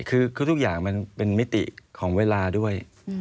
คือทุกอย่างมันเป็นมิติของเวลาด้วย